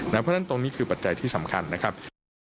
เพราะฉะนั้นตรงนี้คือปัจจัยที่สำคัญนะครับ